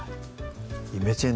イメチェン